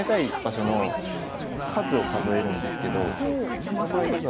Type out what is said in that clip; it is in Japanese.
じゃマス目ですか？